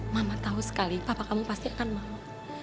mama tahu sekali papa kamu pasti akan mau